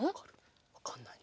わかんないね。